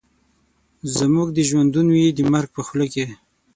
زموږ دي ژوندون وي د مرګ په خوله کي